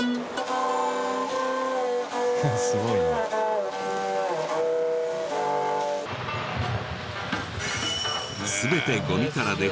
すごいな。